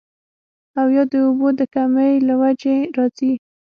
او يا د اوبو د کمۍ له وجې راځي